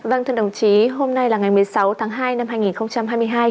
vâng thưa đồng chí hôm nay là ngày một mươi sáu tháng hai năm hai nghìn hai mươi hai